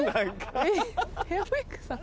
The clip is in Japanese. ヘアメイクさん？